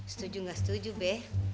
setuju gak setuju be